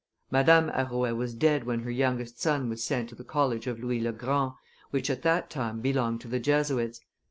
Madame Arouet was dead when her youngest son was sent to the college of Louis le Grand, which at that time belonged to the Jesuits.